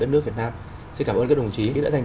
đất nước việt nam xin cảm ơn các đồng chí đã dành